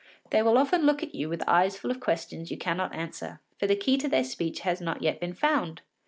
They will often look at you with eyes full of questions you cannot answer, for the key to their speech has not yet been found.